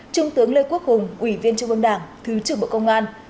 trung tướng lê quốc hùng quỷ viên trung quân đảng thứ trưởng bộ công an